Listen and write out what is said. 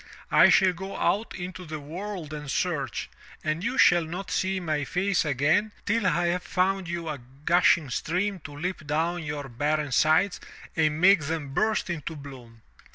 I shall go out into the world and search, and you shall not see my face again till I have found you a gushing stream to leap down your barren sides and make them burst into bloom!"